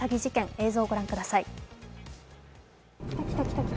映像をご覧ください。